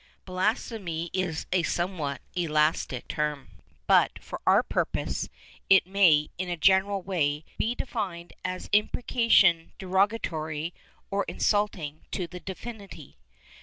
Blasphemy is a somewhat elastic term but, for our purpose, it may, in a general way, be defined as imprecation derogatory or insulting to the Divinity.